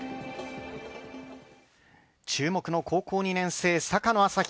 注目の高校２年生、坂野旭飛。